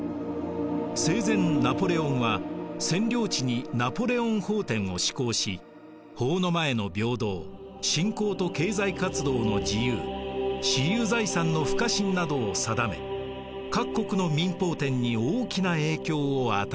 生前ナポレオンは占領地に「ナポレオン法典」を施行し法の前の平等信仰と経済活動の自由私有財産の不可侵などを定め各国の民法典に大きな影響を与えました。